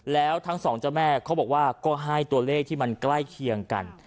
แล้วทั้งสองเจ้าแม่เขาบอกว่าก็ให้ตัวเลขที่มันใกล้เคียงกัน